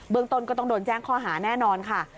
เบื้องตนก็ต้องโดนแจ้งคอหาแน่นอนค่ะ